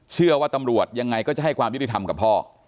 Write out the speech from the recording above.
เชื่อว่าตำรวจยังไงก็จะให้ความยุติธรรมกับพ่อ